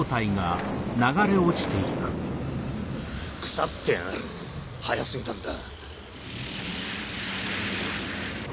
腐ってやがる早過ぎたんだ。